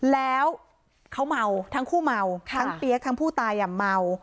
แล้วเขาเมาทั้งคู่เมาทั้งเปี๊ยกทั้งผู้ตายเมา